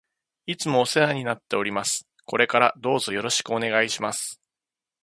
いつもお世話になっております。これからどうぞよろしくお願いします。